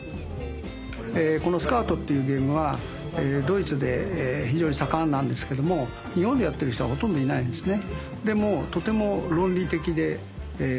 この「スカート」っていうゲームはドイツで非常に盛んなんですけども日本でやっている人はほとんどいないですね。